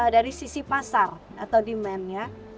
dari sisi pasar atau demand ya